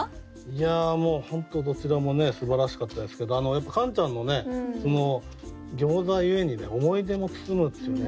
いやもう本当どちらもすばらしかったですけどカンちゃんのね餃子ゆえに思い出も包むっていうね